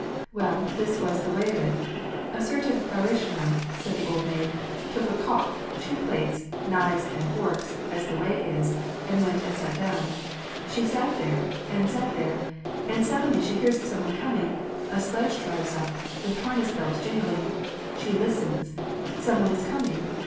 "WeU, this was the way of it: a certain baruishnya," said the old maid, " took a cock, two plates, knives, and forks, as the way is, and went and sat down. She sat there and sat there, and suddenly she hears some one coming — a sledge drives up, with harness bells jingling ; she listens, some one is coming!